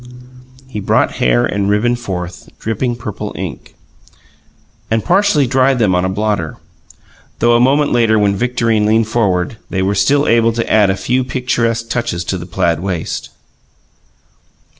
He brought hair and ribbon forth dripping purple ink, and partially dried them on a blotter, though, a moment later when Victorine leaned forward, they were still able to add a few picturesque touches to the plaid waist.